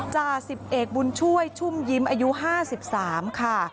จ่าสิบเอกบุญช่วยชุ่มยิ้มอายุ๕๓ค่ะ